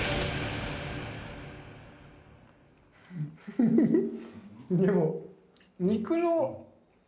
フフフでも。